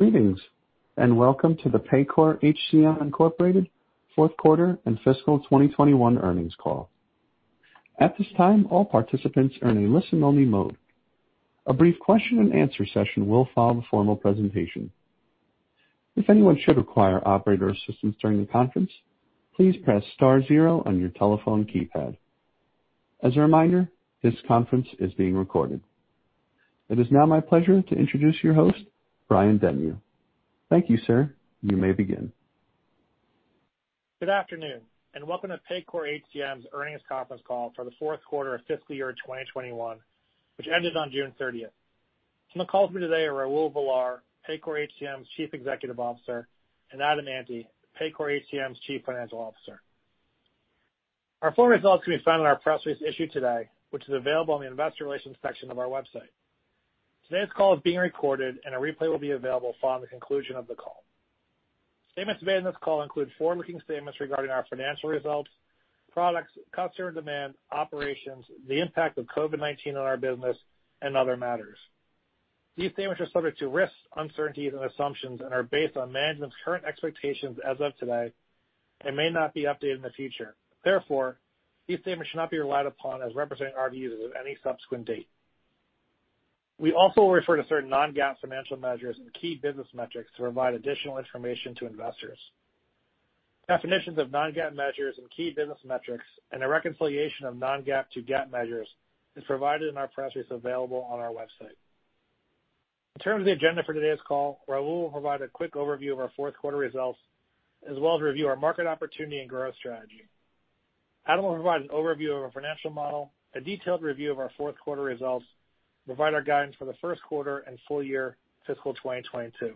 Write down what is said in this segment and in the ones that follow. Greetings, and welcome to the Paycor HCM, Inc. fourth quarter and fiscal 2021 earnings call. At this time, all participants are in a listen-only mode. A brief question and answer session will follow the formal presentation. If anyone should require operator assistance during the conference, please press star zero on your telephone keypad. As a reminder, this conference is being recorded. It is now my pleasure to introduce your host, Brian Denyeau. Thank you, sir. You may begin. Good afternoon, and welcome to Paycor HCM's earnings conference call for the fourth quarter of fiscal year 2021, which ended on June 30th. On the call with me today are Raul Villar Jr., Paycor HCM's Chief Executive Officer, and Adam Ante, Paycor HCM's Chief Financial Officer. Our full results can be found in our press release issued today, which is available on the investor relations section of our website. Today's call is being recorded, and a replay will be available following the conclusion of the call. Statements made in this call include forward-looking statements regarding our financial results, products, customer demand, operations, the impact of COVID-19 on our business, and other matters. These statements are subject to risks, uncertainties, and assumptions and are based on management's current expectations as of today, and may not be updated in the future. Therefore, these statements should not be relied upon as representing our views as of any subsequent date. We also refer to certain non-GAAP financial measures and key business metrics to provide additional information to investors. Definitions of non-GAAP measures and key business metrics and a reconciliation of non-GAAP to GAAP measures is provided in our press release available on our website. In terms of the agenda for today's call, Raul will provide a quick overview of our fourth quarter results, as well as review our market opportunity and growth strategy. Adam will provide an overview of our financial model, a detailed review of our fourth quarter results, and provide our guidance for the first quarter and full year fiscal 2022.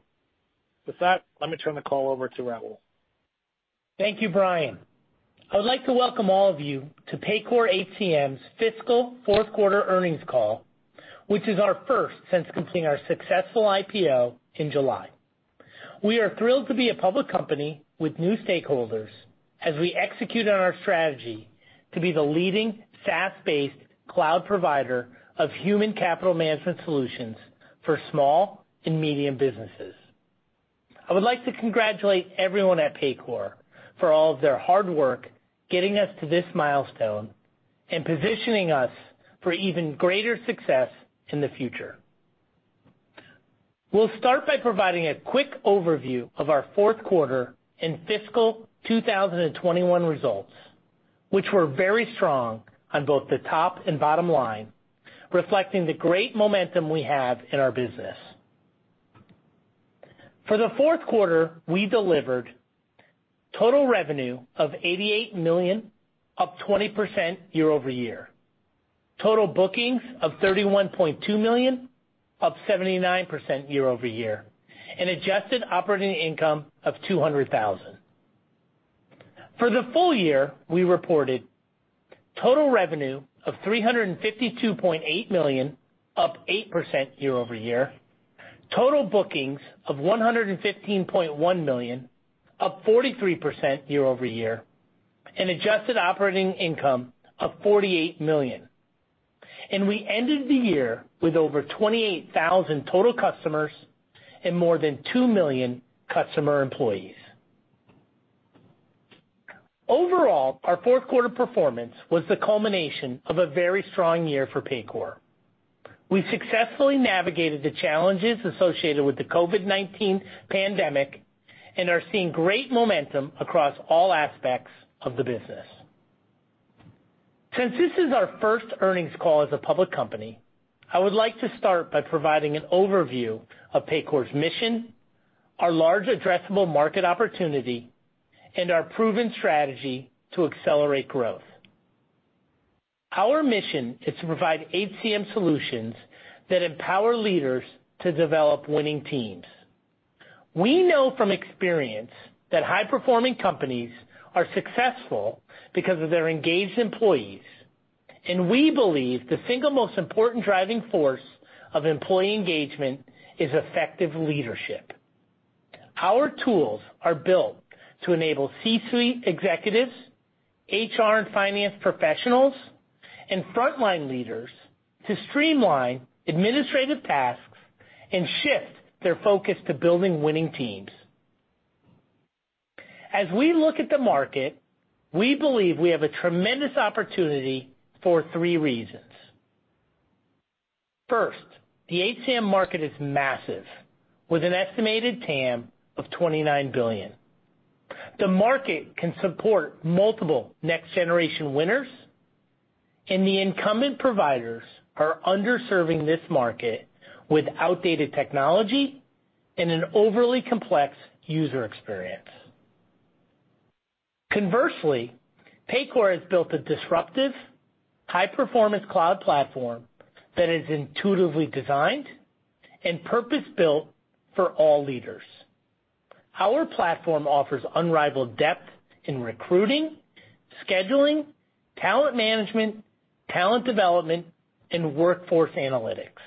With that, let me turn the call over to Raul. Thank you, Brian. I would like to welcome all of you to Paycor HCM's fiscal fourth quarter earnings call, which is our first since completing our successful IPO in July. We are thrilled to be a public company with new stakeholders as we execute on our strategy to be the leading SaaS-based cloud provider of human capital management solutions for small and medium businesses. I would like to congratulate everyone at Paycor for all of their hard work getting us to this milestone and positioning us for even greater success in the future. We'll start by providing a quick overview of our fourth quarter and fiscal 2021 results, which were very strong on both the top and bottom line, reflecting the great momentum we have in our business. For the fourth quarter, we delivered total revenue of $88 million, up 20% year-over-year, total bookings of $31.2 million, up 79% year-over-year, and adjusted operating income of $200,000. For the full year, we reported total revenue of $352.8 million, up 8% year-over-year, total bookings of $115.1 million, up 43% year-over-year, and adjusted operating income of $48 million. We ended the year with over 28,000 total customers and more than two million customer employees. Overall, our fourth quarter performance was the culmination of a very strong year for Paycor. We successfully navigated the challenges associated with the COVID-19 pandemic and are seeing great momentum across all aspects of the business. Since this is our first earnings call as a public company, I would like to start by providing an overview of Paycor's mission, our large addressable market opportunity, and our proven strategy to accelerate growth. Our mission is to provide HCM solutions that empower leaders to develop winning teams. We know from experience that high-performing companies are successful because of their engaged employees, and we believe the single most important driving force of employee engagement is effective leadership. Our tools are built to enable C-suite executives, HR and finance professionals, and frontline leaders to streamline administrative tasks and shift their focus to building winning teams. As we look at the market, we believe we have a tremendous opportunity for three reasons. First, the HCM market is massive, with an estimated TAM of $29 billion. The market can support multiple next-generation winners, and the incumbent providers are underserving this market with outdated technology and an overly complex user experience. Conversely, Paycor has built a disruptive, high-performance cloud platform that is intuitively designed and purpose-built for all leaders. Our platform offers unrivaled depth in recruiting, scheduling, talent management, talent development, and workforce analytics.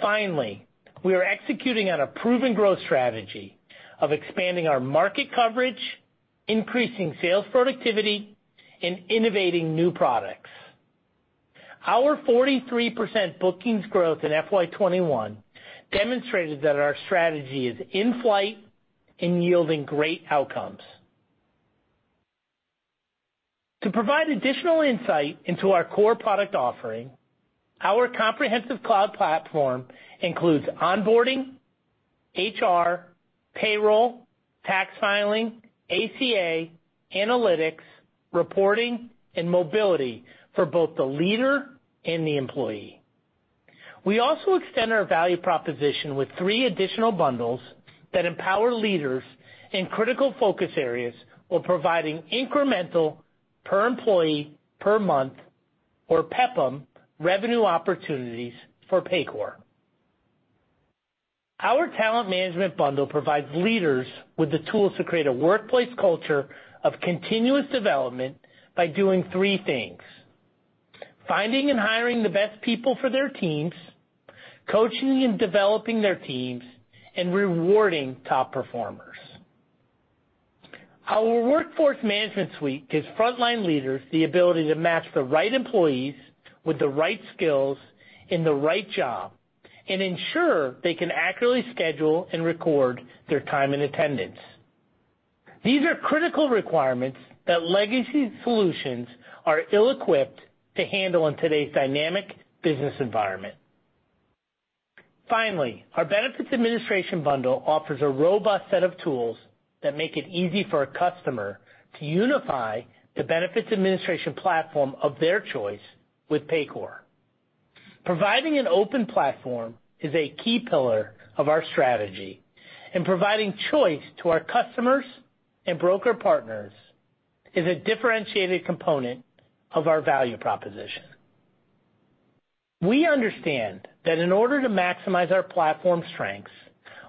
Finally, we are executing on a proven growth strategy of expanding our market coverage, increasing sales productivity, and innovating new products. Our 43% bookings growth in FY 2021 demonstrated that our strategy is in flight and yielding great outcomes. To provide additional insight into our core product offering, our comprehensive cloud platform includes onboarding, HR, payroll, tax filing, ACA, analytics, reporting, and mobility for both the leader and the employee. We also extend our value proposition with three additional bundles that empower leaders in critical focus areas while providing incremental per employee per month, or PEPM, revenue opportunities for Paycor. Our talent management bundle provides leaders with the tools to create a workplace culture of continuous development by doing three things. Finding and hiring the best people for their teams, coaching and developing their teams, and rewarding top performers. Our workforce management suite gives frontline leaders the ability to match the right employees with the right skills in the right job and ensure they can accurately schedule and record their time and attendance. These are critical requirements that legacy solutions are ill-equipped to handle in today's dynamic business environment. Finally, our benefits administration bundle offers a robust set of tools that make it easy for a customer to unify the benefits administration platform of their choice with Paycor. Providing an open platform is a key pillar of our strategy, and providing choice to our customers and broker partners is a differentiated component of our value proposition. We understand that in order to maximize our platform strengths,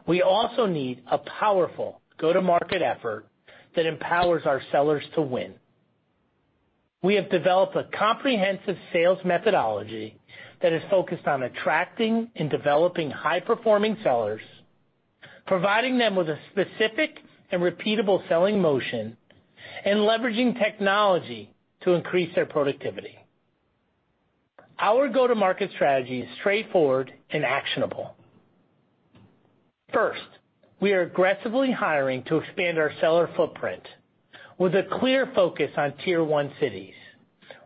we also need a powerful go-to-market effort that empowers our sellers to win. We have developed a comprehensive sales methodology that is focused on attracting and developing high-performing sellers, providing them with a specific and repeatable selling motion, and leveraging technology to increase their productivity. Our go-to-market strategy is straightforward and actionable. First, we are aggressively hiring to expand our seller footprint with a clear focus on Tier 1 cities,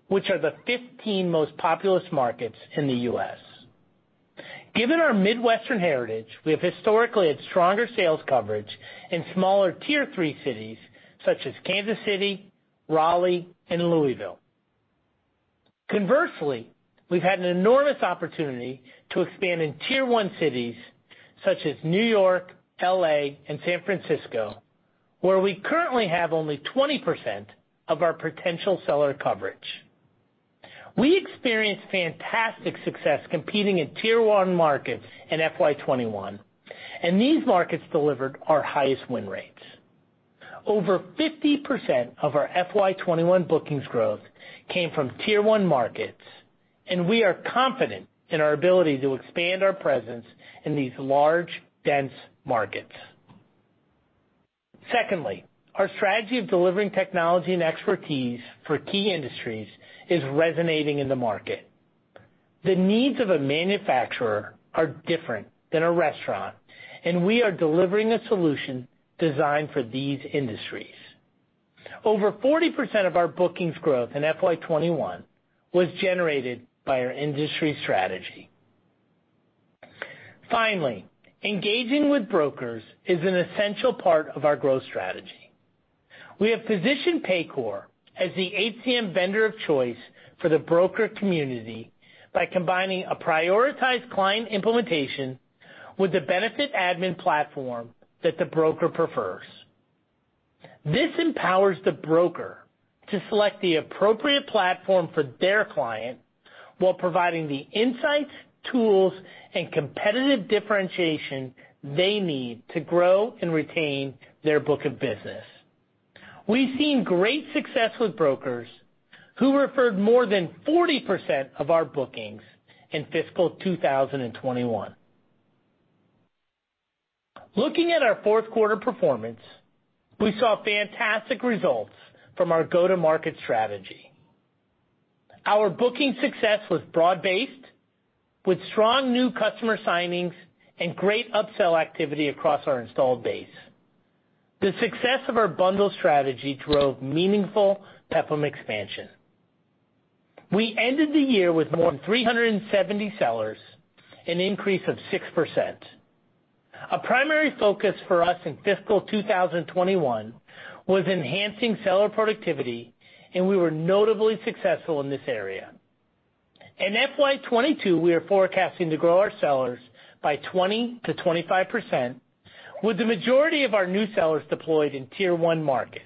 which are the 15 most populous markets in the U.S. Given our Midwestern heritage, we have historically had stronger sales coverage in smaller Tier 3 cities such as Kansas City, Raleigh, and Louisville. Conversely, we've had an enormous opportunity to expand in Tier 1 cities such as New York, L.A., and San Francisco, where we currently have only 20% of our potential seller coverage. We experienced fantastic success competing in Tier 1 markets in FY 2021, and these markets delivered our highest win rates. Over 50% of our FY 2021 bookings growth came from Tier 1 markets, and we are confident in our ability to expand our presence in these large, dense markets. Secondly, our strategy of delivering technology and expertise for key industries is resonating in the market. The needs of a manufacturer are different than a restaurant, and we are delivering a solution designed for these industries. Over 40% of our bookings growth in FY 2021 was generated by our industry strategy. Finally, engaging with brokers is an essential part of our growth strategy. We have positioned Paycor as the HCM vendor of choice for the broker community by combining a prioritized client implementation with the benefit admin platform that the broker prefers. This empowers the broker to select the appropriate platform for their client while providing the insights, tools, and competitive differentiation they need to grow and retain their book of business. We've seen great success with brokers who referred more than 40% of our bookings in fiscal 2021. Looking at our fourth quarter performance, we saw fantastic results from our go-to-market strategy. Our booking success was broad-based with strong new customer signings and great upsell activity across our installed base. The success of our bundle strategy drove meaningful PEPM expansion. We ended the year with more than 370 sellers, an increase of 6%. A primary focus for us in fiscal 2021 was enhancing seller productivity, and we were notably successful in this area. In FY 2022, we are forecasting to grow our sellers by 20%-25%, with the majority of our new sellers deployed in Tier 1 markets.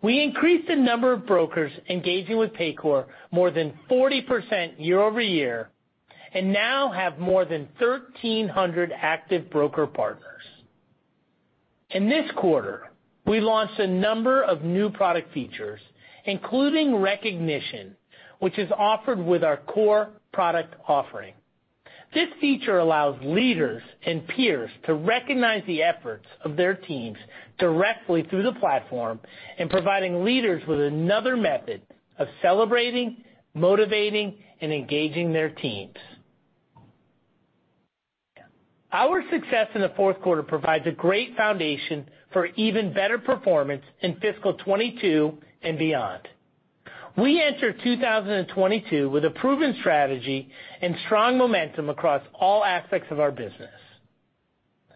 We increased the number of brokers engaging with Paycor more than 40% year-over-year and now have more than 1,300 active broker partners. In this quarter, we launched a number of new product features, including Recognition, which is offered with our core product offering. This feature allows leaders and peers to recognize the efforts of their teams directly through the platform, and providing leaders with another method of celebrating, motivating, and engaging their teams. Our success in the fourth quarter provides a great foundation for even better performance in fiscal 2022 and beyond. We enter 2022 with a proven strategy and strong momentum across all aspects of our business.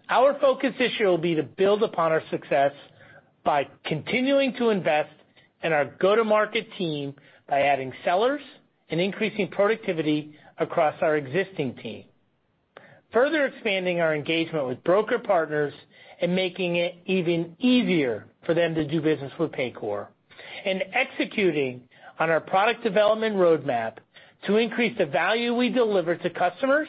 Our focus this year will be to build upon our success by continuing to invest in our go-to-market team by adding sellers and increasing productivity across our existing team, further expanding our engagement with broker partners and making it even easier for them to do business with Paycor, and executing on our product development roadmap to increase the value we deliver to customers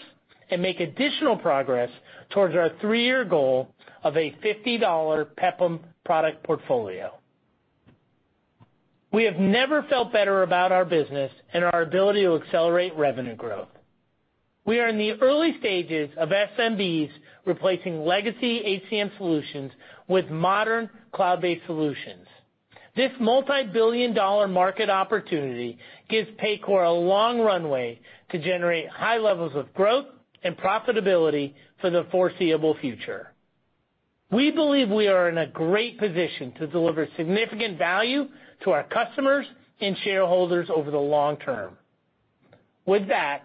and make additional progress towards our three-year goal of a $50 PEPM product portfolio. We have never felt better about our business and our ability to accelerate revenue growth. We are in the early stages of SMBs replacing legacy HCM solutions with modern cloud-based solutions. This multibillion-dollar market opportunity gives Paycor a long runway to generate high levels of growth and profitability for the foreseeable future. We believe we are in a great position to deliver significant value to our customers and shareholders over the long term. With that,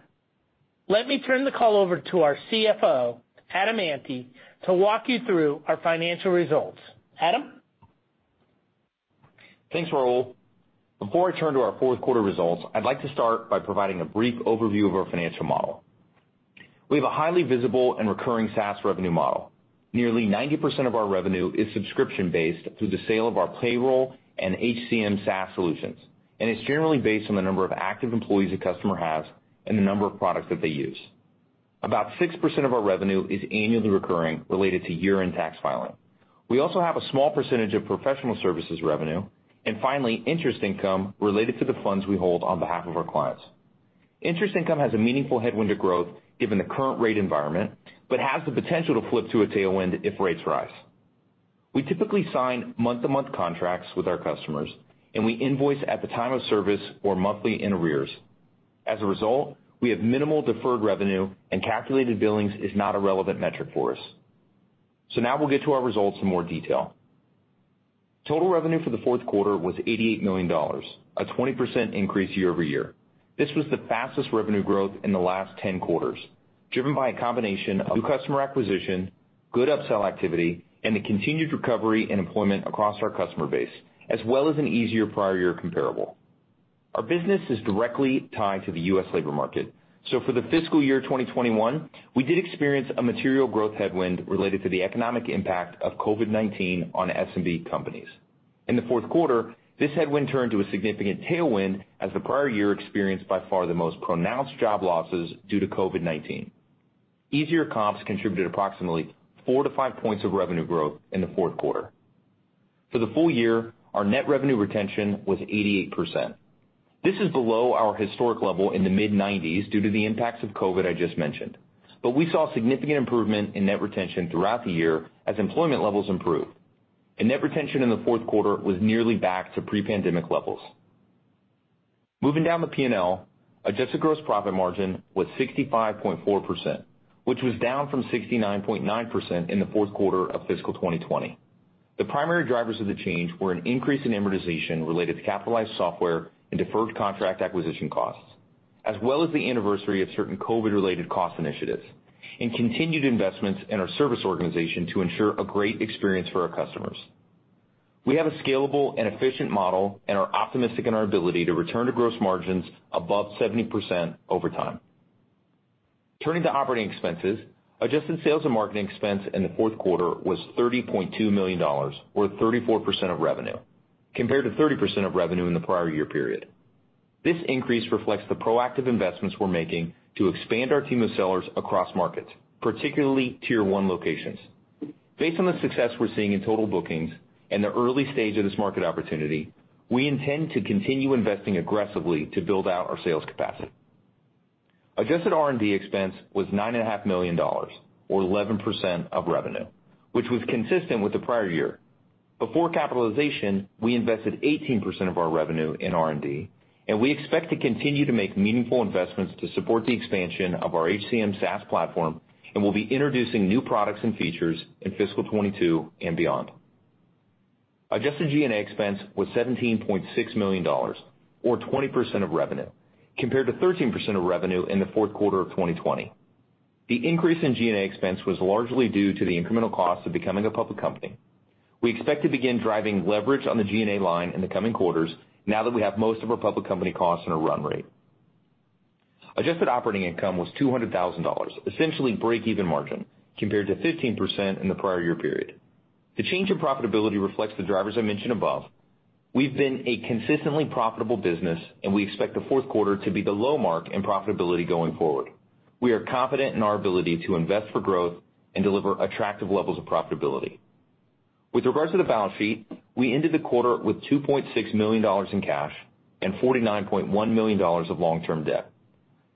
let me turn the call over to our CFO, Adam Ante, to walk you through our financial results. Adam? Thanks, Raul. Before I turn to our fourth quarter results, I'd like to start by providing a brief overview of our financial model. We have a highly visible and recurring SaaS revenue model. Nearly 90% of our revenue is subscription-based through the sale of our payroll and HCM SaaS solutions, and it's generally based on the number of active employees a customer has and the number of products that they use. About 6% of our revenue is annually recurring related to year-end tax filing. We also have a small percentage of professional services revenue, and finally, interest income related to the funds we hold on behalf of our clients. Interest income has a meaningful headwind to growth given the current rate environment, but has the potential to flip to a tailwind if rates rise. We typically sign month-to-month contracts with our customers, and we invoice at the time of service or monthly in arrears. As a result, we have minimal deferred revenue and calculated billings is not a relevant metric for us. Now we'll get to our results in more detail. Total revenue for the fourth quarter was $88 million, a 20% increase year-over-year. This was the fastest revenue growth in the last 10 quarters, driven by a combination of new customer acquisition, good upsell activity, and the continued recovery in employment across our customer base, as well as an easier prior year comparable. Our business is directly tied to the U.S. labor market, for the fiscal year 2021, we did experience a material growth headwind related to the economic impact of COVID-19 on SMB companies. In the fourth quarter, this headwind turned to a significant tailwind as the prior year experienced by far the most pronounced job losses due to COVID-19. Easier comps contributed approximately four to five points of revenue growth in the fourth quarter. For the full year, our net revenue retention was 88%. This is below our historic level in the mid-90s due to the impacts of COVID I just mentioned. We saw significant improvement in net retention throughout the year as employment levels improved. Net retention in the fourth quarter was nearly back to pre-pandemic levels. Moving down the P&L, adjusted gross profit margin was 65.4%, which was down from 69.9% in the fourth quarter of fiscal 2020. The primary drivers of the change were an increase in amortization related to capitalized software and deferred contract acquisition costs, as well as the anniversary of certain COVID-related cost initiatives and continued investments in our service organization to ensure a great experience for our customers. We have a scalable and efficient model and are optimistic in our ability to return to gross margins above 70% over time. Turning to operating expenses, adjusted sales and marketing expense in the fourth quarter was $30.2 million, or 34% of revenue, compared to 30% of revenue in the prior year period. This increase reflects the proactive investments we're making to expand our team of sellers across markets, particularly tier 1 locations. Based on the success we're seeing in total bookings and the early stage of this market opportunity, we intend to continue investing aggressively to build out our sales capacity. Adjusted R&D expense was $9.5 million, or 11% of revenue, which was consistent with the prior year. Before capitalization, we invested 18% of our revenue in R&D, and we expect to continue to make meaningful investments to support the expansion of our HCM SaaS platform and will be introducing new products and features in FY 2022 and beyond. Adjusted G&A expense was $17.6 million, or 20% of revenue, compared to 13% of revenue in the fourth quarter of 2020. The increase in G&A expense was largely due to the incremental cost of becoming a public company. We expect to begin driving leverage on the G&A line in the coming quarters now that we have most of our public company costs in a run rate. Adjusted operating income was $200,000, essentially break-even margin, compared to 15% in the prior year period. The change in profitability reflects the drivers I mentioned above. We've been a consistently profitable business, and we expect the fourth quarter to be the low mark in profitability going forward. We are confident in our ability to invest for growth and deliver attractive levels of profitability. With regards to the balance sheet, we ended the quarter with $2.6 million in cash and $49.1 million of long-term debt.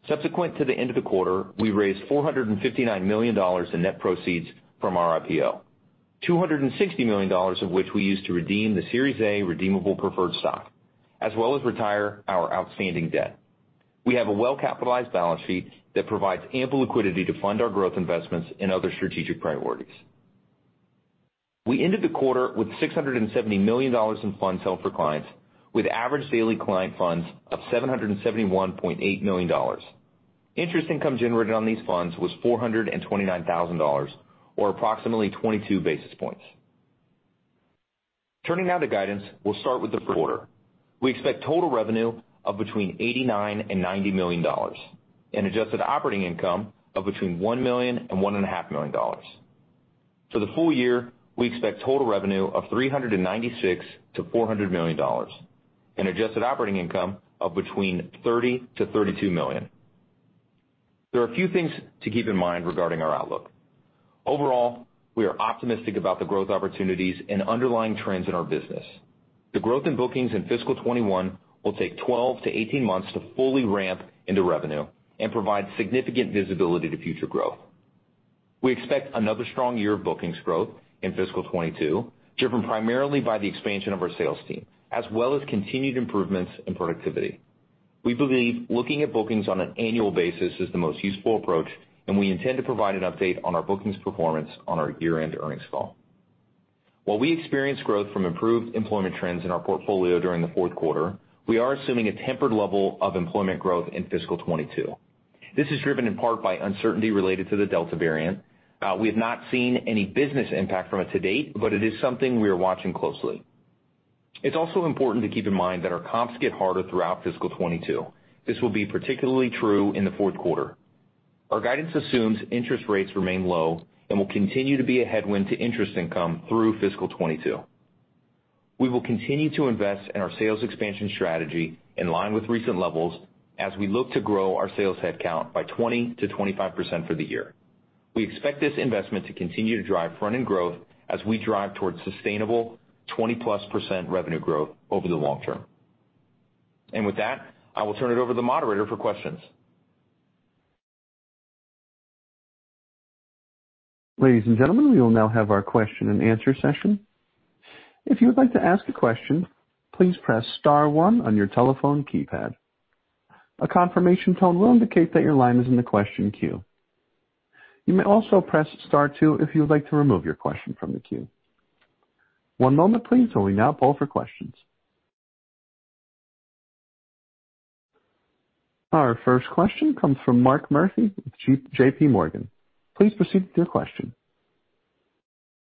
Subsequent to the end of the quarter, we raised $459 million in net proceeds from our IPO, $260 million of which we used to redeem the Series A redeemable preferred stock, as well as retire our outstanding debt. We have a well-capitalized balance sheet that provides ample liquidity to fund our growth investments and other strategic priorities. We ended the quarter with $670 million in funds held for clients, with average daily client funds of $771.8 million. Interest income generated on these funds was $429,000, or approximately 22 basis points. Turning now to guidance, we'll start with the first quarter. We expect total revenue of between $89 million-$90 million, and adjusted operating income of between $1 million-$1.5 million. For the full year, we expect total revenue of $396 million-$400 million, and adjusted operating income of between $30 million-$32 million. There are a few things to keep in mind regarding our outlook. Overall, we are optimistic about the growth opportunities and underlying trends in our business. The growth in bookings in FY 2021 will take 12-18 months to fully ramp into revenue and provide significant visibility to future growth. We expect another strong year of bookings growth in FY 2022, driven primarily by the expansion of our sales team, as well as continued improvements in productivity. We believe looking at bookings on an annual basis is the most useful approach, and we intend to provide an update on our bookings performance on our year-end earnings call. While we experienced growth from improved employment trends in our portfolio during the fourth quarter, we are assuming a tempered level of employment growth in FY 2022. This is driven in part by uncertainty related to the Delta variant. We have not seen any business impact from it to date, but it is something we are watching closely. It's also important to keep in mind that our comps get harder throughout FY 2022. This will be particularly true in the fourth quarter. Our guidance assumes interest rates remain low and will continue to be a headwind to interest income through FY 2022. We will continue to invest in our sales expansion strategy in line with recent levels as we look to grow our sales headcount by 20%-25% for the year. We expect this investment to continue to drive front-end growth as we drive towards sustainable 20%+ revenue growth over the long term. With that, I will turn it over to the moderator for questions. Ladies and gentlemen, we will now have our question and answer session. If you would like to ask a question, please press star one on your telephone keypad. A confirmation tone will indicate that your line is in the question queue. You may also press star two if you would like to remove your question from the queue. One moment please while we now poll for questions. Our first question comes from Mark Murphy, with JPMorgan. Please proceed with your question.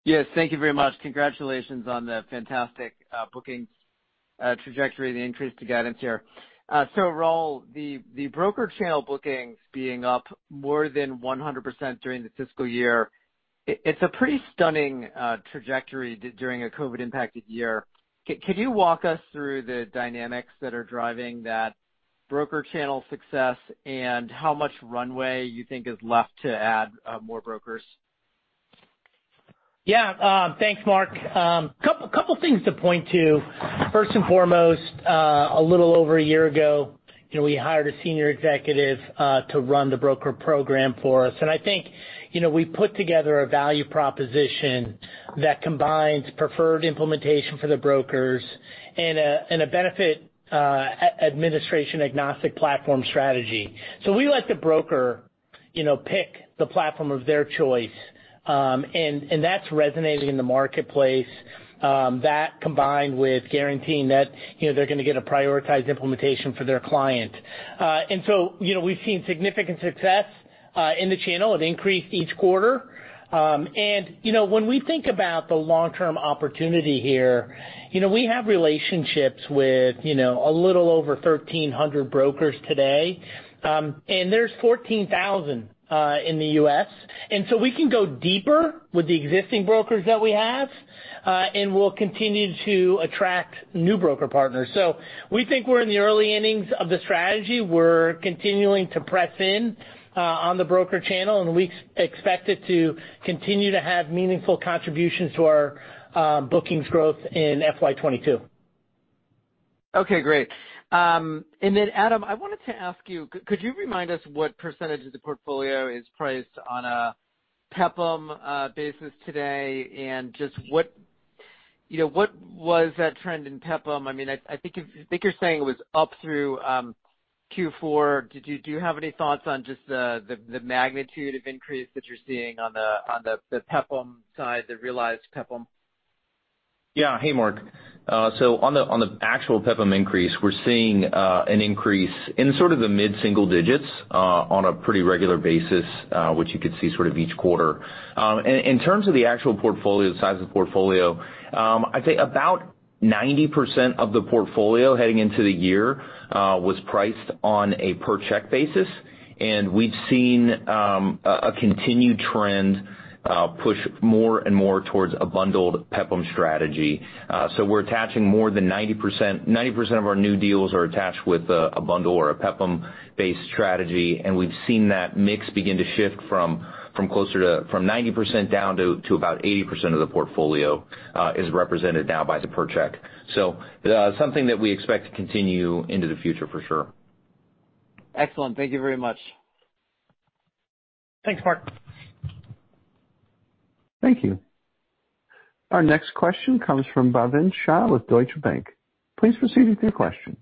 Yes, thank you very much. Congratulations on the fantastic bookings trajectory, the increase to guidance here. Raul, the broker channel bookings being up more than 100% during the fiscal year, it's a pretty stunning trajectory during a COVID-impacted year. Can you walk us through the dynamics that are driving that broker channel success and how much runway you think is left to add more brokers? Thanks, Mark. Couple things to point to. First and foremost, a little over a year ago, we hired a senior executive to run the broker program for us. I think we put together a value proposition that combines preferred implementation for the brokers and a benefit administration-agnostic platform strategy. We let the broker pick the platform of their choice, and that's resonating in the marketplace. That, combined with guaranteeing that they're going to get a prioritized implementation for their client. We've seen significant success in the channel. It increased each quarter. When we think about the long-term opportunity here, we have relationships with a little over 1,300 brokers today. There's 14,000 in the U.S. We can go deeper with the existing brokers that we have, and we'll continue to attract new broker partners. We think we're in the early innings of the strategy. We're continuing to press in on the broker channel, and we expect it to continue to have meaningful contributions to our bookings growth in FY 2022. Okay, great. Adam, I wanted to ask you, could you remind us what % of the portfolio is priced on a PEPM business today, and just what was that trend in PEPM? I think you're saying it was up through Q4. Do you have any thoughts on just the magnitude of increase that you're seeing on the PEPM side, the realized PEPM? Yeah. Hey, Mark. On the actual PEPM increase, we're seeing an increase in sort of the mid-single digits on a pretty regular basis, which you could see sort of each quarter. In terms of the actual portfolio, the size of the portfolio, I'd say about 90% of the portfolio heading into the year was priced on a per check basis. We've seen a continued trend push more and more towards a bundled PEPM strategy. We're attaching more than 90% of our new deals are attached with a bundle or a PEPM-based strategy. We've seen that mix begin to shift from 90% down to about 80% of the portfolio is represented now by the per check. Something that we expect to continue into the future for sure. Excellent. Thank you very much. Thanks, Mark. Thank you. Our next question comes from Bhavin Shah with Deutsche Bank. Please proceed with your question.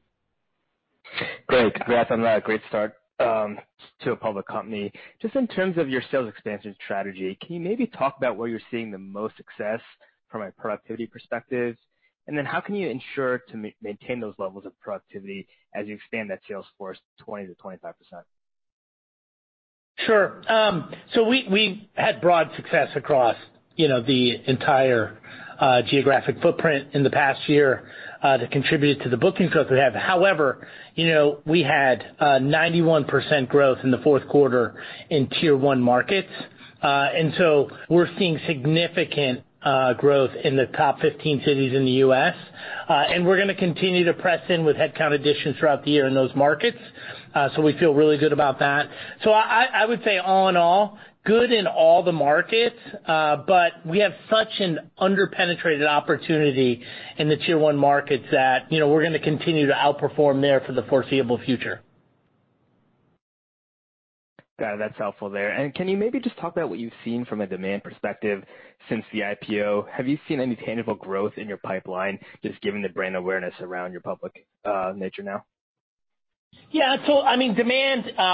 Great. Congrats on that great start to a public company. Just in terms of your sales expansion strategy, can you maybe talk about where you're seeing the most success from a productivity perspective? How can you ensure to maintain those levels of productivity as you expand that sales force 20%-25%? Sure. We had broad success across the entire geographic footprint in the past year that contributed to the booking growth we have. However, we had 91% growth in the fourth quarter in Tier 1 markets. We're seeing significant growth in the top 15 cities in the U.S., and we're going to continue to press in with headcount additions throughout the year in those markets. We feel really good about that. I would say all in all, good in all the markets, but we have such an under-penetrated opportunity in the Tier 1 markets that we're going to continue to outperform there for the foreseeable future. Got it. That's helpful there. Can you maybe just talk about what you've seen from a demand perspective since the IPO? Have you seen any tangible growth in your pipeline, just given the brand awareness around your public nature now? Yeah.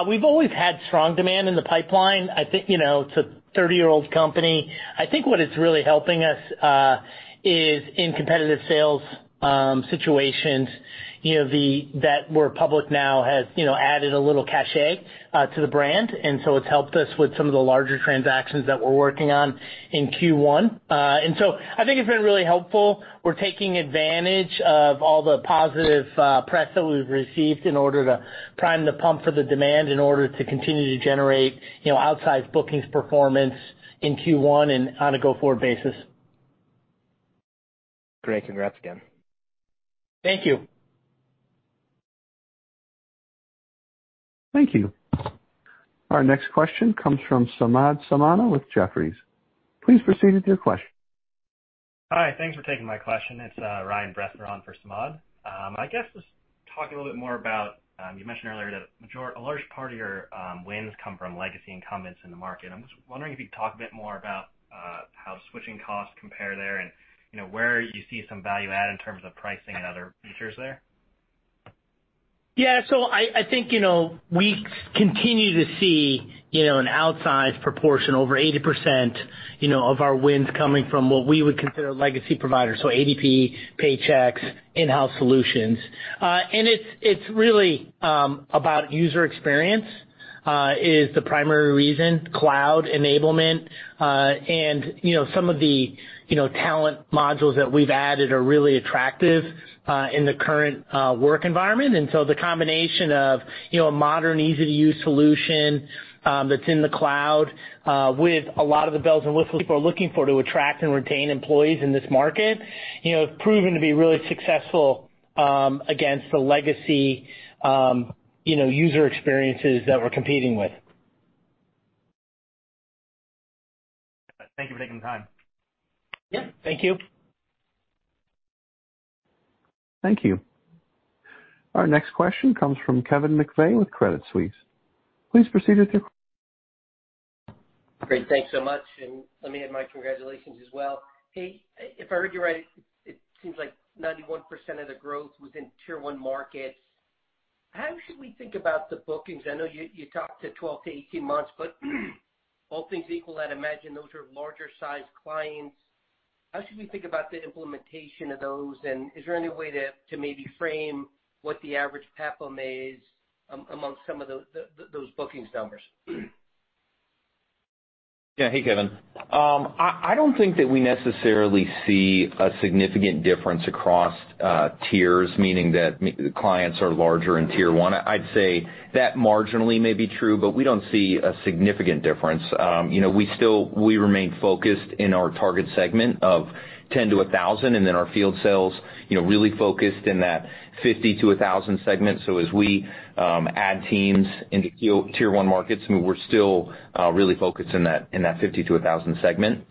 We've always had strong demand in the pipeline. It's a 30-year-old company. I think what is really helping us is in competitive sales situations, that we're public now has added a little cachet to the brand. It's helped us with some of the larger transactions that we're working on in Q1. I think it's been really helpful. We're taking advantage of all the positive press that we've received in order to prime the pump for the demand, in order to continue to generate outsized bookings performance in Q1 and on a go-forward basis. Great. Congrats again. Thank you. Thank you. Our next question comes from Samad Samana with Jefferies. Please proceed with your question. Hi. Thanks for taking my question. It's Ryan Bretherton for Samad. I guess, just talk a little bit more about, you mentioned earlier that a large part of your wins come from legacy incumbents in the market. I'm just wondering if you could talk a bit more about how switching costs compare there and where you see some value add in terms of pricing and other features there. I think, we continue to see an outsized proportion, over 80%, of our wins coming from what we would consider legacy providers. ADP, Paychex, in-house solutions. It's really about user experience, is the primary reason, cloud enablement. Some of the talent modules that we've added are really attractive in the current work environment. The combination of a modern, easy-to-use solution that's in the cloud with a lot of the bells and whistles people are looking for to attract and retain employees in this market, has proven to be really successful against the legacy user experiences that we're competing with. Thank you for taking the time. Yeah. Thank you. Thank you. Our next question comes from Kevin McVeigh with Credit Suisse. Please proceed with your question. Great. Thanks so much, and let me add my congratulations as well. Hey, if I heard you right, it seems like 91% of the growth was in Tier 1 markets. How should we think about the bookings? I know you talked to 12-18 months, but all things equal, I'd imagine those are larger sized clients. How should we think about the implementation of those? Is there any way to maybe frame what the average PEPM is amongst some of those bookings numbers? Yeah. Hey, Kevin. I don't think that we necessarily see a significant difference across tiers, meaning that clients are larger in Tier 1. I'd say that marginally may be true, but we don't see a significant difference. We remain focused in our target segment of 10 to 1,000, and then our field sales really focused in that 50 to 1,000 segment. As we add teams into Tier 1 markets, we're still really focused in that 50 to 1,000 segment.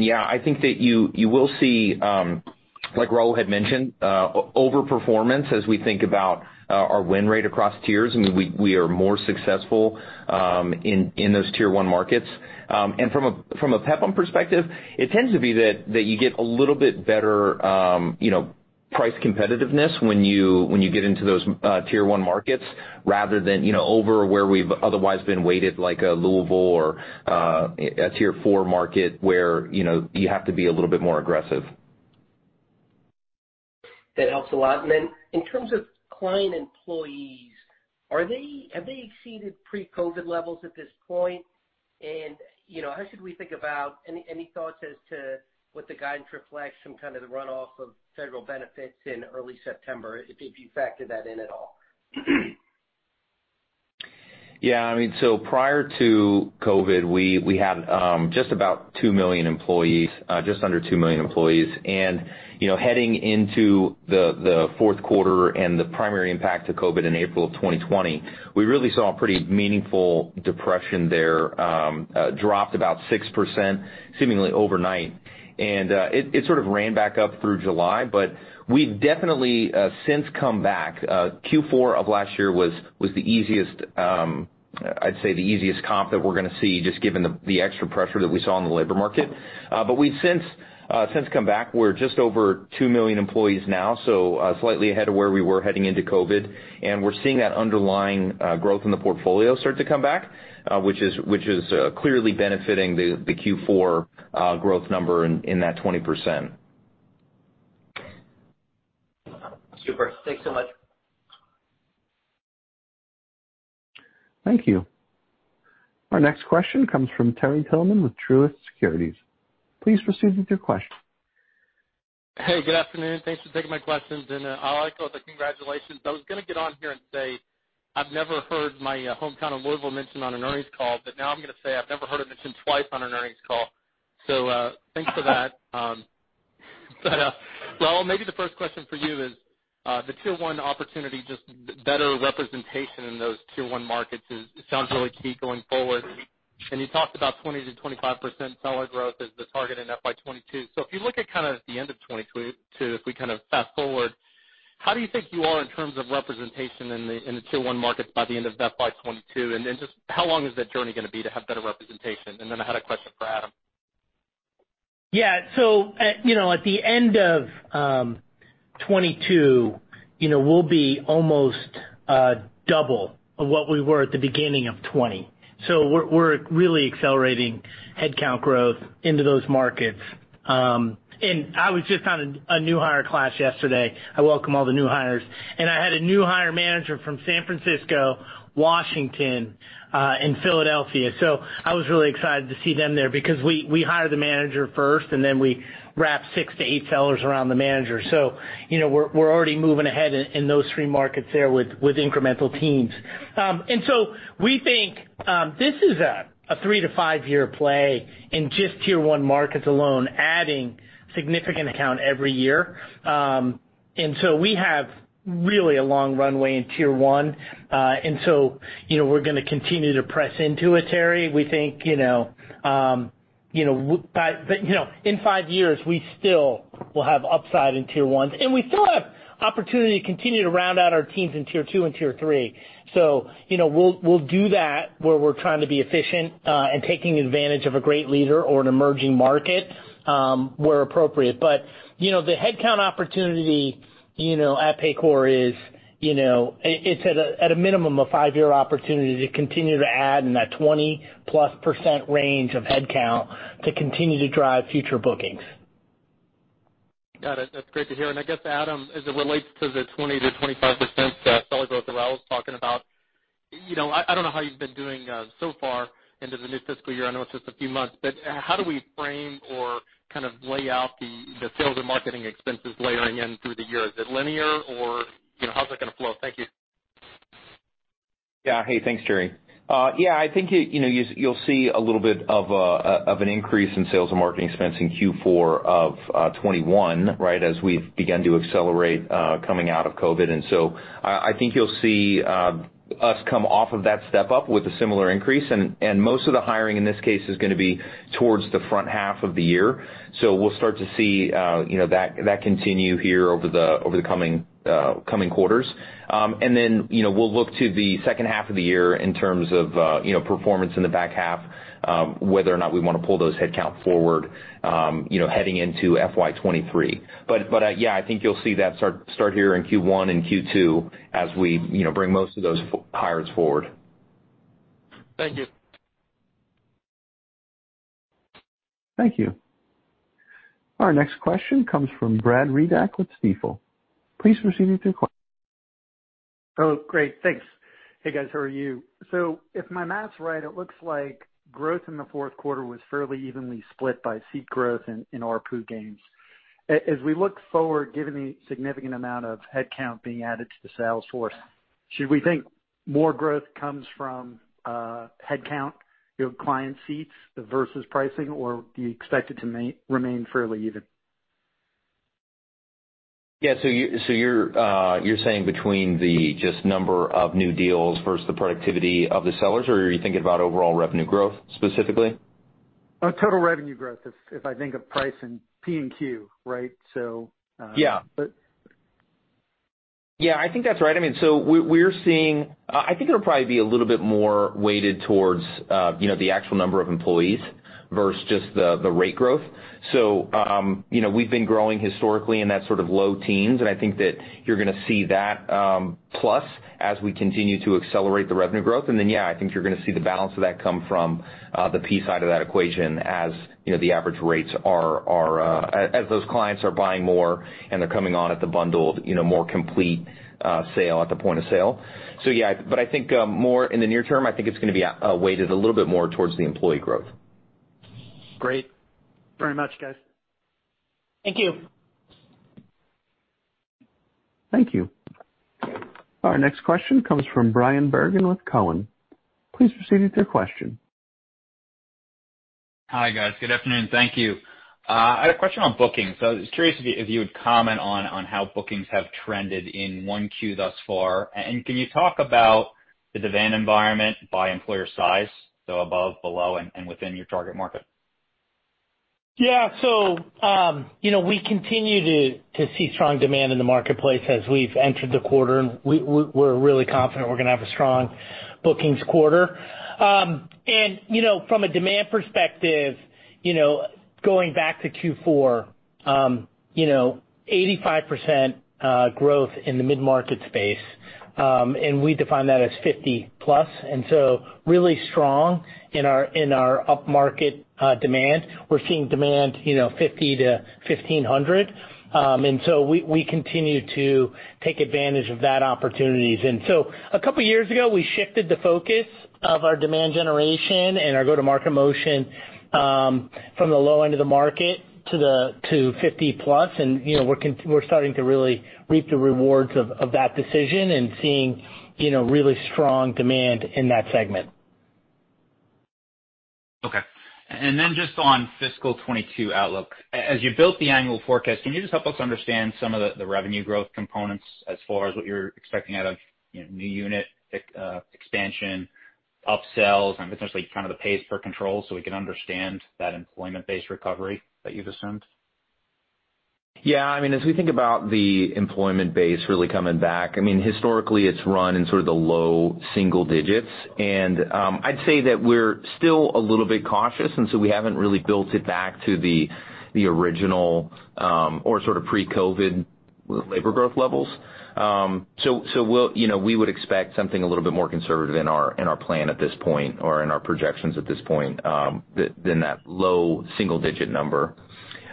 Yeah, I think that you will see, like Raul had mentioned, overperformance as we think about our win rate across tiers. I mean, we are more successful in those Tier 1 markets. From a PEP perspective, it tends to be that you get a little bit better price competitiveness when you get into those Tier 1 markets rather than over where we've otherwise been weighted, like a Louisville or a Tier 4 market where you have to be a little bit more aggressive. That helps a lot. In terms of client employees, have they exceeded pre-COVID levels at this point? How should we think about any thoughts as to what the guidance reflects, some kind of the runoff of federal benefits in early September, if you factor that in at all? Prior to COVID, we had just under 2 million employees. Heading into the fourth quarter and the primary impact of COVID in April of 2020, we really saw a pretty meaningful depression there. Dropped about 6%, seemingly overnight. It sort of ran back up through July, but we've definitely since come back. Q4 of last year was, I'd say, the easiest comp that we're going to see, just given the extra pressure that we saw in the labor market. We've since come back. We're just over two million employees now, so slightly ahead of where we were heading into COVID-19. We're seeing that underlying growth in the portfolio start to come back, which is clearly benefiting the Q4 growth number in that 20%. Super. Thanks so much. Thank you. Our next question comes from Terry Tillman with Truist Securities. Please proceed with your question. Hey, good afternoon. Thanks for taking my questions. I'll echo the congratulations. I was going to get on here and say I've never heard my hometown of Louisville mentioned on an earnings call, now I'm going to say I've never heard it mentioned twice on an earnings call. Thanks for that. Raul, maybe the first question for you is the Tier 1 opportunity, just better representation in those Tier 1 markets sounds really key going forward. You talked about 20%-25% seller growth as the target in FY 2022. If you look at the end of 2022, if we fast-forward, how do you think you are in terms of representation in the Tier 1 markets by the end of FY 2022? Just how long is that journey going to be to have better representation? I had a question for Adam. At the end of 2022, we'll be almost double of what we were at the beginning of 2020. We're really accelerating headcount growth into those markets. I was just on a new hire class yesterday. I welcome all the new hires. I had a new hire manager from San Francisco, Washington, and Philadelphia. I was really excited to see them there because we hire the manager first, and then we wrap six to eight sellers around the manager. We're already moving ahead in those three markets there with incremental teams. We think this is a three-to-five-year play in just Tier 1 markets alone, adding significant account every year. We have really a long runway in Tier 1. We're going to continue to press into it, Terry. We think in five years, we still will have upside in Tier 1. We still have opportunity to continue to round out our teams in Tier 2 and Tier 3. We'll do that where we're trying to be efficient, and taking advantage of a great leader or an emerging market where appropriate. The headcount opportunity at Paycor is at a minimum a five-year opportunity to continue to add in that 20-plus% range of headcount to continue to drive future bookings. Got it. That's great to hear. I guess, Adam, as it relates to the 20% to 25% seller growth that Raul's talking about, I don't know how you've been doing so far into the new fiscal year. I know it's just a few months, but how do we frame or lay out the sales and marketing expenses layering in through the year? Is it linear or how's that going to flow? Thank you. Yeah. Hey, thanks, Terry. Yeah, I think you'll see a little bit of an increase in sales and marketing expense in Q4 of 2021 as we've begun to accelerate coming out of COVID. I think you'll see us come off of that step up with a similar increase, and most of the hiring in this case is going to be towards the front half of the year. We'll start to see that continue here over the coming quarters. We'll look to the second half of the year in terms of performance in the back half, whether or not we want to pull those headcount forward heading into FY 2023. Yeah, I think you'll see that start here in Q1 and Q2 as we bring most of those hires forward. Thank you. Thank you. Our next question comes from Brad Reback with Stifel. Please proceed with your question. Oh, great. Thanks. Hey, guys. How are you? If my math's right, it looks like growth in the fourth quarter was fairly evenly split by seat growth and ARPU gains. As we look forward, given the significant amount of headcount being added to the sales force, should we think more growth comes from headcount, client seats versus pricing, or do you expect it to remain fairly even? Yeah, you're saying between the just number of new deals versus the productivity of the sellers, or are you thinking about overall revenue growth specifically? Total revenue growth, if I think of price and P&Q, right? Yeah. But Yeah, I think that's right. I think it'll probably be a little bit more weighted towards the actual number of employees versus just the rate growth. We've been growing historically in that sort of low teens, and I think that you're going to see that plus as we continue to accelerate the revenue growth. Yeah, I think you're going to see the balance of that come from the P side of that equation as those clients are buying more and they're coming on at the bundled, more complete sale at the point of sale. Yeah. I think more in the near term, I think it's going to be weighted a little bit more towards the employee growth. Great. Very much, guys. Thank you. Thank you. Our next question comes from Bryan Bergin with Cowen. Please proceed with your question. Hi guys. Good afternoon. Thank you. I had a question on bookings. I was curious if you would comment on how bookings have trended in 1Q thus far. Can you talk about the demand environment by employer size, so above, below, and within your target market. We continue to see strong demand in the marketplace as we've entered the quarter, and we're really confident we're going to have a strong bookings quarter. From a demand perspective, going back to Q4, 85% growth in the mid-market space, and we define that as 50-plus. Really strong in our upmarket demand. We're seeing demand 50 to 1,500. We continue to take advantage of that opportunities. A couple years ago, we shifted the focus of our demand generation and our go-to-market motion from the low end of the market to 50-plus, and we're starting to really reap the rewards of that decision and seeing really strong demand in that segment. Okay. Just on FY 2022 outlook. As you built the annual forecast, can you just help us understand some of the revenue growth components as far as what you're expecting out of new unit expansion, upsells, and potentially the pace for control so we can understand that employment-based recovery that you've assumed? As we think about the employment base really coming back, historically, it's run in sort of the low single digits. I'd say that we're still a little bit cautious, and so we haven't really built it back to the original or pre-COVID labor growth levels. We would expect something a little bit more conservative in our plan at this point, or in our projections at this point, than that low single-digit number.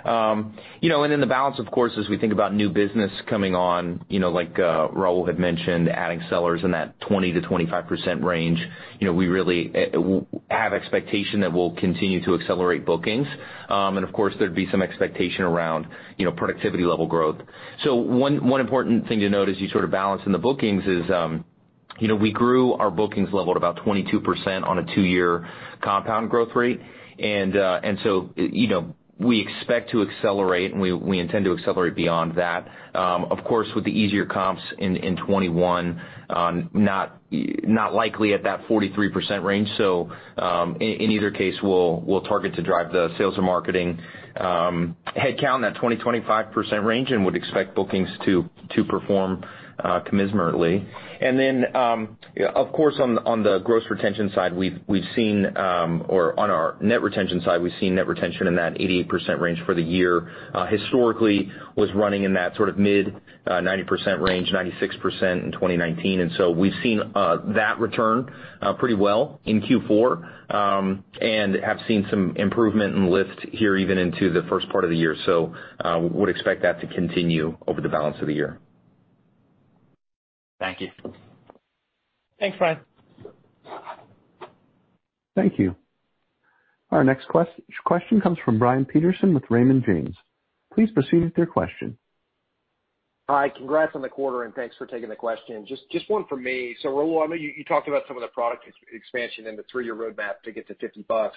The balance, of course, as we think about new business coming on, like Raul had mentioned, adding sellers in that 20%-25% range. We really have expectation that we'll continue to accelerate bookings. Of course, there'd be some expectation around productivity level growth. One important thing to note as you sort of balance in the bookings is, we grew our bookings level at about 22% on a two-year compound growth rate. We expect to accelerate, and we intend to accelerate beyond that. Of course, with the easier comps in 2021, not likely at that 43% range. In either case, we'll target to drive the sales and marketing headcount in that 20%-25% range and would expect bookings to perform commensurately. Of course, on the gross retention side, or on our net retention side, we've seen net retention in that 88% range for the year. Historically, was running in that mid-90% range, 96% in 2019. We've seen that return pretty well in Q4, and have seen some improvement and lift here even into the first part of the year. Would expect that to continue over the balance of the year. Thank you. Thanks, Bryan. Thank you. Our next question comes from Brian Peterson with Raymond James. Please proceed with your question. Hi. Congrats on the quarter, and thanks for taking the question. Just one from me. Raul, I know you talked about some of the product expansion and the three-year roadmap to get to $50.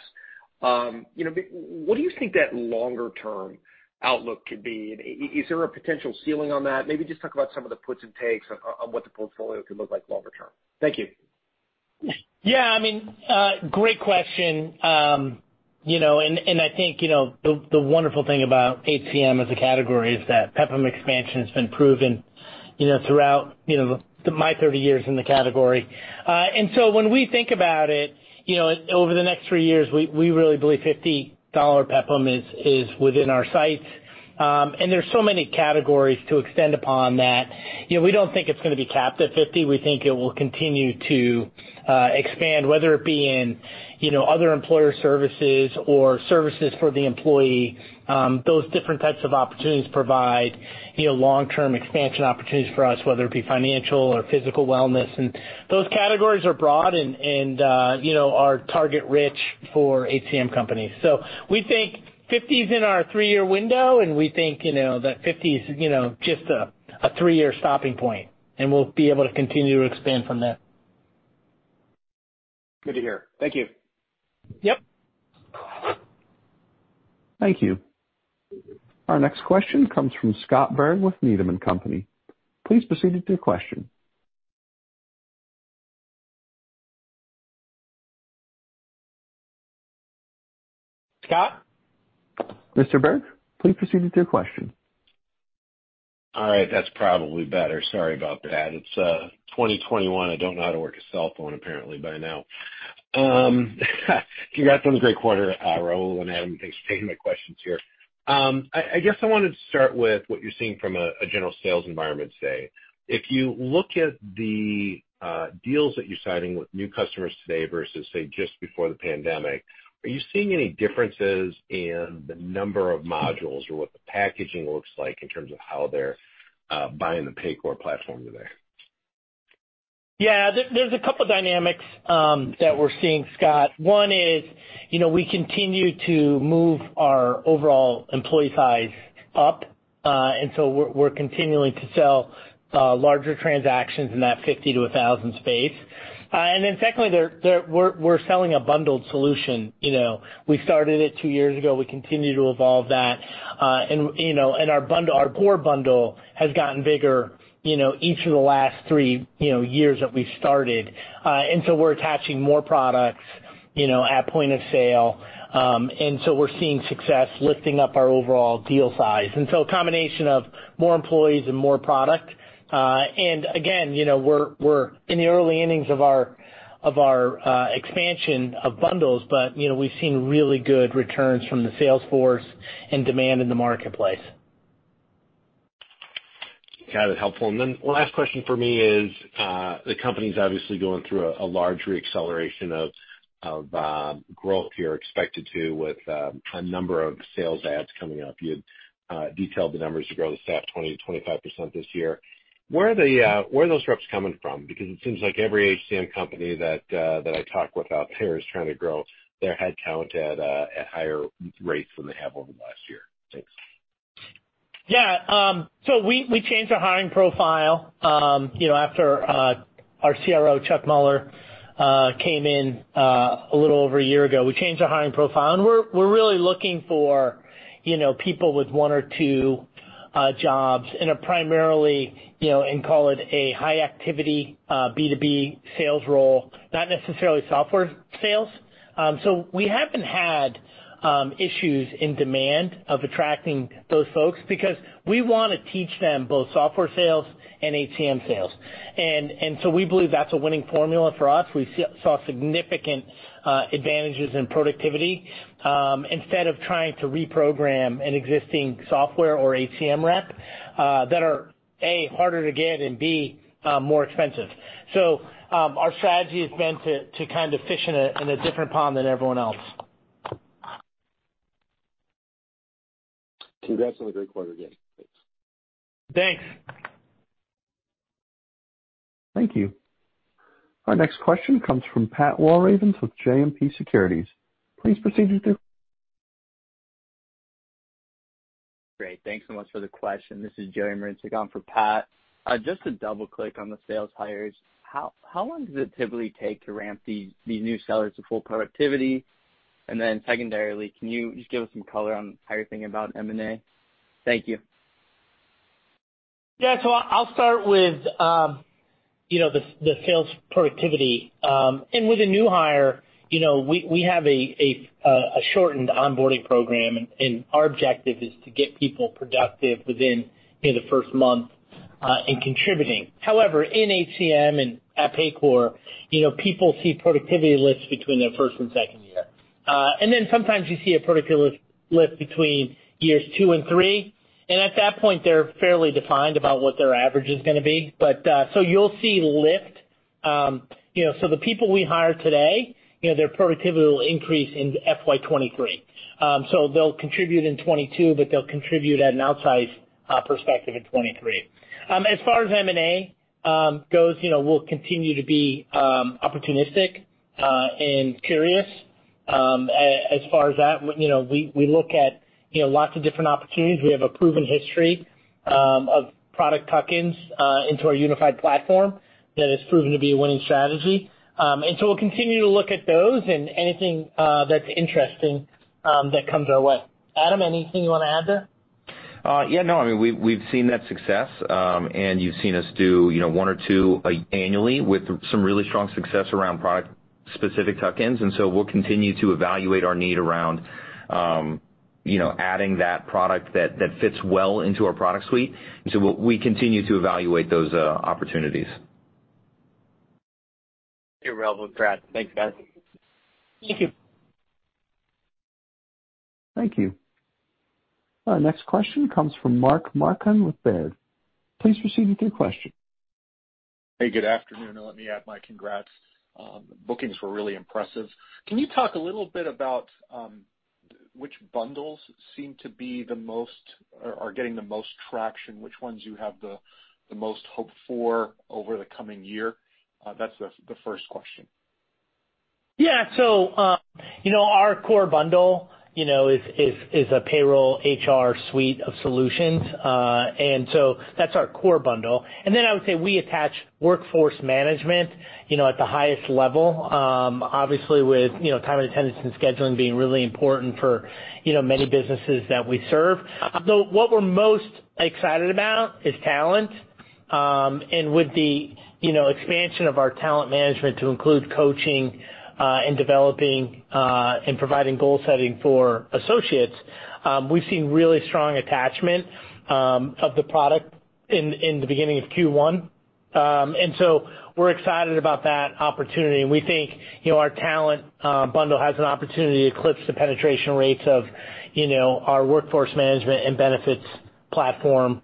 What do you think that longer-term outlook could be? Is there a potential ceiling on that? Maybe just talk about some of the puts and takes on what the portfolio could look like longer term. Thank you. Yeah. Great question. I think the wonderful thing about HCM as a category is that PEPM expansion has been proven throughout my 30 years in the category. When we think about it, over the next three years, we really believe $50 PEPM is within our sights. There's so many categories to extend upon that. We don't think it's going to be capped at 50. We think it will continue to expand, whether it be in other employer services or services for the employee. Those different types of opportunities provide long-term expansion opportunities for us, whether it be financial or physical wellness. Those categories are broad and are target-rich for HCM companies. We think 50 is in our three-year window, and we think that 50 is just a three-year stopping point. We'll be able to continue to expand from there. Good to hear. Thank you. Yep. Thank you. Our next question comes from Scott Berg with Needham & Company. Please proceed with your question. Scott? Mr. Berg, please proceed with your question. All right. That's probably better. Sorry about that. It's 2021, I don't know how to work a cellphone, apparently, by now. Congrats on the great quarter, Raul and Adam. Thanks for taking my questions here. I guess I wanted to start with what you're seeing from a general sales environment today. If you look at the deals that you're signing with new customers today versus, say, just before the pandemic, are you seeing any differences in the number of modules or what the packaging looks like in terms of how they're buying the Paycor platform today? Yeah. There's a couple dynamics that we're seeing, Scott. One is, we continue to move our overall employee size up. We're continuing to sell larger transactions in that 50-1,000 space. Secondly, we're selling a bundled solution. We started it two years ago. We continue to evolve that. Our core bundle has gotten bigger each of the last three years that we've started. We're attaching more products at point of sale. We're seeing success lifting up our overall deal size. A combination of more employees and more product. Again, we're in the early innings of our expansion of bundles, but we've seen really good returns from the sales force and demand in the marketplace. Got it. Helpful. One last question for me is, the company's obviously going through a large re-acceleration of growth here, expected to, with a number of sales adds coming up. You had detailed the numbers to grow the staff 20%-25% this year. Where are those reps coming from? It seems like every HCM company that I talk with out there is trying to grow their headcount at higher rates than they have over the last year. Thanks. Yeah. We changed our hiring profile. After our CRO, Chuck Mueller, came in a little over a year ago, we changed our hiring profile. We're really looking for people with one or two jobs in a primarily, call it a high activity, B2B sales role, not necessarily software sales. We haven't had issues in demand of attracting those folks because we want to teach them both software sales and HCM sales. We believe that's a winning formula for us. We saw significant advantages in productivity, instead of trying to reprogram an existing software or HCM rep, that are, A, harder to get, and B, more expensive. Our strategy has been to kind of fish in a different pond than everyone else. Congrats on a great quarter again. Thanks. Thanks. Thank you. Our next question comes from Pat Walravens with JMP Securities. Please proceed with your que- Great. Thanks so much for the question. This is Jerry Merzig on for Pat. To double-click on the sales hires, how long does it typically take to ramp these new sellers to full productivity? Secondarily, can you just give us some color on how you're thinking about M&A? Thank you. I'll start with the sales productivity. With a new hire, we have a shortened onboarding program, and our objective is to get people productive within the first month, and contributing. However, in HCM and at Paycor, people see productivity lifts between their first and second year. Sometimes you see a productivity lift between years two and three, and at that point, they're fairly defined about what their average is going to be. You'll see lift. The people we hire today, their productivity will increase in FY 2023. They'll contribute in 2022, but they'll contribute at an outsized perspective in 2023. As far as M&A goes, we'll continue to be opportunistic and curious. As far as that, we look at lots of different opportunities. We have a proven history of product tuck-ins into our unified platform that has proven to be a winning strategy. We'll continue to look at those and anything that's interesting that comes our way. Adam, anything you want to add there? We've seen that success. You've seen us do one or two annually with some really strong success around product-specific tuck-ins. We'll continue to evaluate our need around adding that product that fits well into our product suite. We continue to evaluate those opportunities. Very well. With Brad. Thanks, guys. Thank you. Thank you. Our next question comes from Mark Marcon with Baird. Please proceed with your question. Hey, good afternoon, and let me add my congrats. Bookings were really impressive. Can you talk a little bit about which bundles seem to be the most, or are getting the most traction, which ones you have the most hope for over the coming year? That's the first question. Our core bundle is a payroll HR suite of solutions. That's our core bundle. I would say we attach workforce management at the highest level, obviously with time and attendance and scheduling being really important for many businesses that we serve. What we're most excited about is talent. With the expansion of our talent management to include coaching, and developing, and providing goal setting for associates, we've seen really strong attachment of the product in the beginning of Q1. We're excited about that opportunity, and we think our talent bundle has an opportunity to eclipse the penetration rates of our workforce management and benefits platform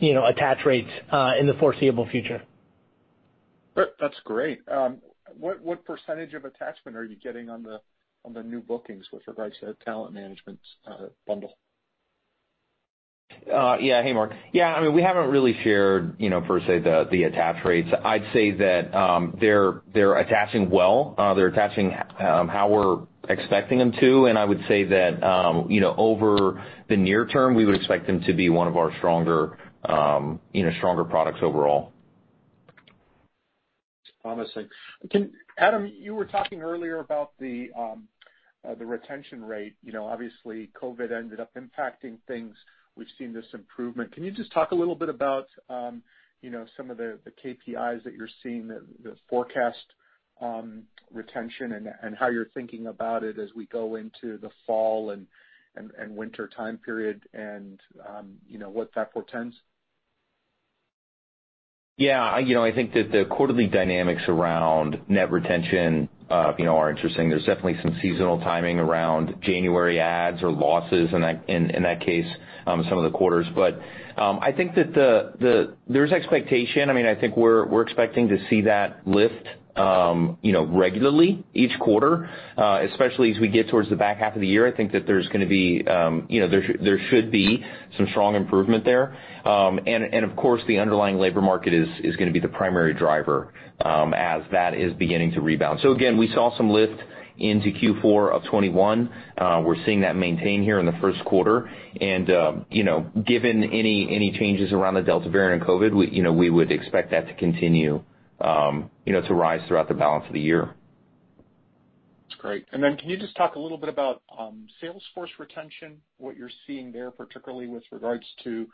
attach rates in the foreseeable future. That's great. What percentage of attachment are you getting on the new bookings with regards to that talent management bundle? Yeah. Hey, Mark. Yeah, we haven't really shared per se, the attach rates. I'd say that they're attaching well. They're attaching how we're expecting them to. I would say that over the near term, we would expect them to be one of our stronger products overall. Promising. Adam, you were talking earlier about the retention rate. Obviously, COVID ended up impacting things. We've seen this improvement. Can you just talk a little bit about some of the KPIs that you're seeing, the forecast retention, and how you're thinking about it as we go into the fall and winter time period and what that portends? I think that the quarterly dynamics around net retention are interesting. There's definitely some seasonal timing around January adds or losses in that case, some of the quarters. I think that there's expectation. I think we're expecting to see that lift regularly each quarter, especially as we get towards the back half of the year. I think that there should be some strong improvement there. Of course, the underlying labor market is going to be the primary driver as that is beginning to rebound. Again, we saw some lift into Q4 of 2021. We're seeing that maintain here in the first quarter. Given any changes around the Delta variant COVID-19, we would expect that to continue to rise throughout the balance of the year. Great. Then can you just talk a little bit about Salesforce retention, what you're seeing there, particularly with regards to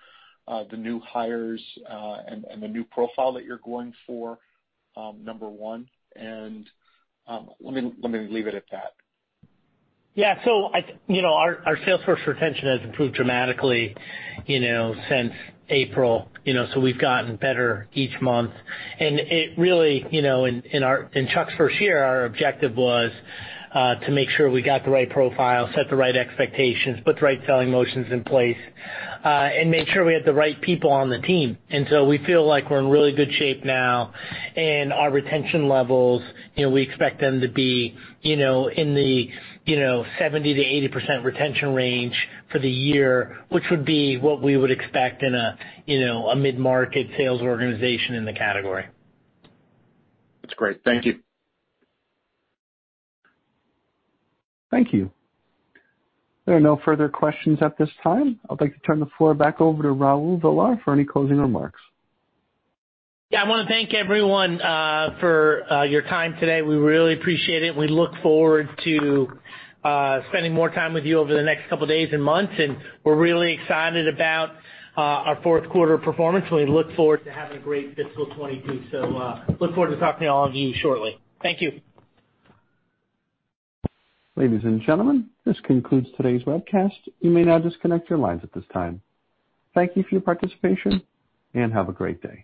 the new hires and the new profile that you're going for, number one. Let me leave it at that. Our salesforce retention has improved dramatically since April. We've gotten better each month. It really, in Chuck's first year, our objective was to make sure we got the right profile, set the right expectations, put the right selling motions in place, and made sure we had the right people on the team. We feel like we're in really good shape now, and our retention levels, we expect them to be in the 70%-80% retention range for the year, which would be what we would expect in a mid-market sales organization in the category. That's great. Thank you. Thank you. There are no further questions at this time. I'd like to turn the floor back over to Raul Villar for any closing remarks. Yeah, I want to thank everyone for your time today. We really appreciate it, and we look forward to spending more time with you over the next couple of days and months, and we're really excited about our fourth quarter performance, and we look forward to having a great fiscal 2022. Look forward to talking to all of you shortly. Thank you. Ladies and gentlemen, this concludes today's webcast. You may now disconnect your lines at this time. Thank you for your participation, and have a great day.